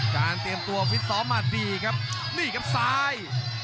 เตรียมตัวฟิตซ้อมมาดีครับนี่ครับซ้าย